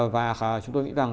và chúng tôi nghĩ rằng